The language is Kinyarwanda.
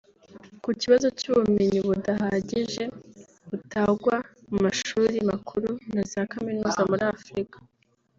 Ku kibazo cy’ubumenyi budahagije butangwa mu mashuri makuru na za kaminuza muri Africa